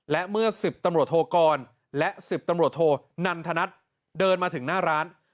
และเมื่อ๑๐ตำรวจโทกรและ๑๐ตำรวจโทนันทนัทเดินมาถึงหน้าร้าน